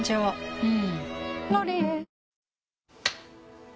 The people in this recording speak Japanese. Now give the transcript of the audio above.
うん。